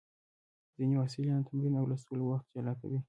ځینې محصلین د تمرین او لوستلو وخت جلا کوي.